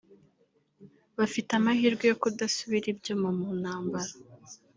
bafite amahirwe yo kudasubira ibyuma mu ntambara